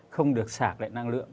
không được sạc lại năng lượng